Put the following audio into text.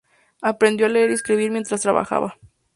Aprendió a leer y escribir mientras trabajaba.